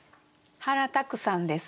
原拓さんです。